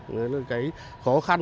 nên là cái khó khăn